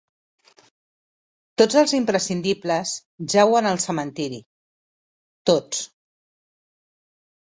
Tots els imprescindibles jauen al cementeri. Tots.